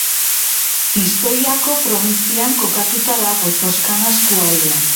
Pistoiako probintzian kokatuta dago, Toscana eskualdean.